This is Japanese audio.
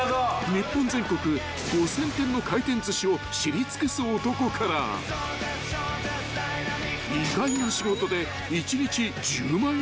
［日本全国５，０００店の回転寿司を知り尽くす男から意外な仕事で１日１０万円を稼ぐ男］